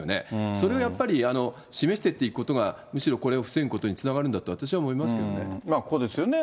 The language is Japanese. それをやっぱり示していくことが、むしろこれを防ぐことにつながるんだと、ここですよね。